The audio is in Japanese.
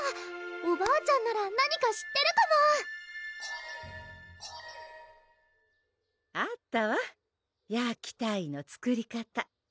おばあちゃんなら何か知ってるかもあったわヤーキターイの作り方